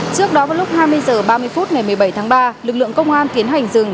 trước đó vào lúc hai mươi h ba mươi phút ngày một mươi bảy tháng ba lực lượng công an tiến hành dừng